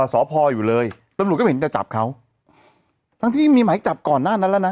สพอยู่เลยตำรวจก็ไม่เห็นจะจับเขาทั้งที่มีหมายจับก่อนหน้านั้นแล้วนะ